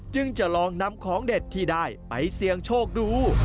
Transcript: จึงจะลองนำของเด็ดที่ได้ไปเสี่ยงโชคดู